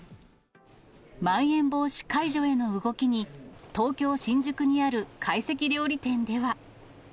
まん延防止解除への動きに、東京・新宿にある会席料理店では。